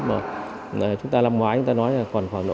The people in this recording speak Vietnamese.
mà chúng ta làm ngoái chúng ta nói là còn khoảng